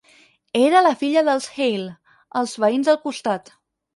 Era la filla dels Hale, els veïns del costat.